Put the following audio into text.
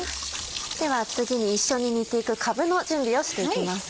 では次に一緒に煮ていくかぶの準備をしていきます。